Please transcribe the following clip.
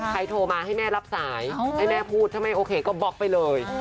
โทรมาให้แม่รับสายให้แม่พูดถ้าไม่โอเคก็บล็อกไปเลย